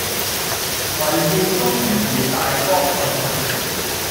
唯願公平如大江滾滾